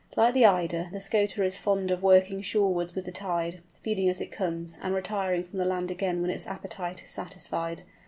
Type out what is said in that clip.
Like the Eider the Scoter is fond of working shorewards with the tide, feeding as it comes, and retiring from the land again when its appetite is satisfied.